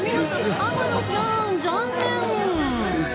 天野さん、残念！